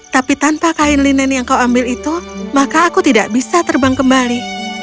tapi tanpa kain linen yang kau ambil itu maka aku tidak bisa terbang kembali